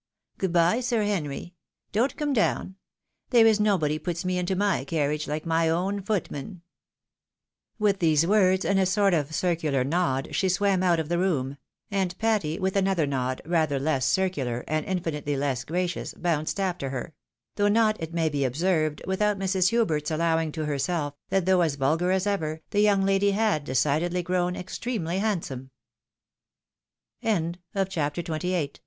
Good bye. Sir Henry ! don't come down. There is nobody puts me into my carriage, like my own footman." With these words, and a sort of circular nod, she swam out of the room ; and Patty, with another nod, rather less circular, and infinitely less gTaoious, bounced after her ; though not, it may be observed, without Mrs. Hubert's allowing to herself, that though as vulgar as ever, the young lady had decidedly grown extre